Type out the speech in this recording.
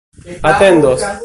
atendos